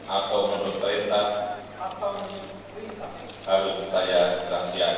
atau menurut perintah